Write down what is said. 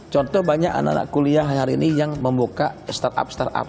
contoh banyak anak anak kuliah hari ini yang membuka startup startup